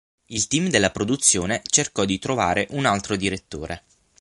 Il team della produzione cercò di trovare un altro direttore.